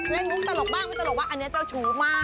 เวรบุ๊คตลกบ้างตลกว่าอันนี้เจ้าชู้มาก